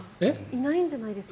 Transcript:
いないんじゃないですか？